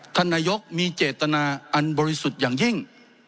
ท่านนายกมีเจตนาอันบริสุทธิ์อย่างยิ่ง